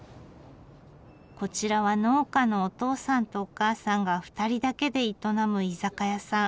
こちらは農家のおとうさんとおかあさんが２人だけで営む居酒屋さん。